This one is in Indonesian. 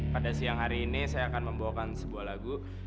pada siang hari ini saya akan membawakan sebuah lagu